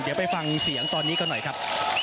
เดี๋ยวไปฟังเสียงตอนนี้กันหน่อยครับ